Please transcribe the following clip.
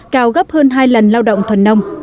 cao gấp hơn hai lần lao động thuần nông